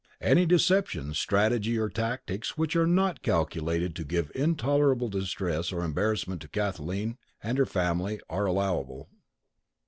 Any deception, strategy, or tactics which are not calculated to give intolerable distress or embarrassment to Kathleen and her family, are allowable.